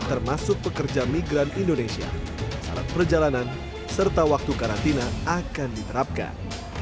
termasuk pekerja migran indonesia syarat perjalanan serta waktu karantina akan diterapkan